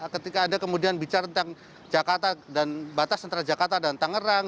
ketika anda kemudian bicara tentang jakarta dan batas antara jakarta dan tangerang